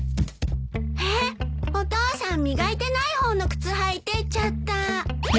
えっお父さん磨いてない方の靴履いてっちゃった。